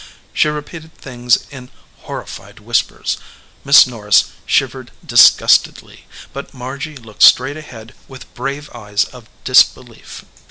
She repeated things in horri fied whispers. Miss Norris shivered disgustedly, but Margy looked straight ahead with brave eyes of disbelief.